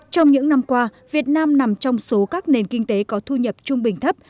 trong những năm qua việt nam nằm trong số các nền kinh tế có thu nhập trung bình thấp